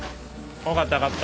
分かった分かった。